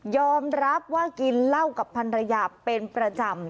อมรับว่ากินเหล้ากับพันรยาเป็นประจำ